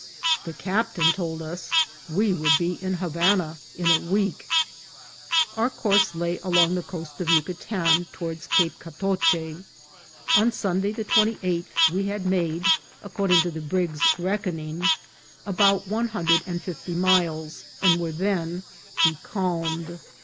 The captain told us we would be in Havana in a week. Our course lay along the coast of Yucatan toward Cape Catoche. On Sunday, the 28th, we had made, according to the brig's reckoning, about one hundred and fifty miles, and were then becalmed.